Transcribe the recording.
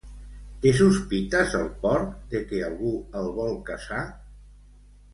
Té sospites el porc de què algú el vol caçar?